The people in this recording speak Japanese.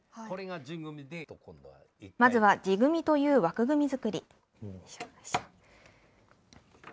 まずは地組という枠組み作り。